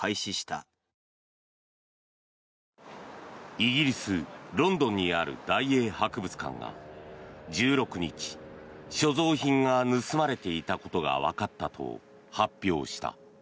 イギリス・ロンドンにある大英博物館が１６日所蔵品が盗まれていたことがわかったと発表した。